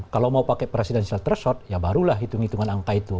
kalau mau pakai presidensial threshold ya barulah hitung hitungan angka itu